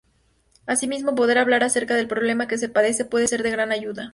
Asimismo, poder hablar acerca del problema que se padece puede ser de gran ayuda.